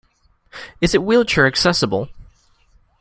Is it wheelchair-accessible?